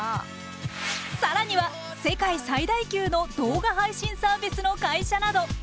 更には世界最大級の動画配信サービスの会社など。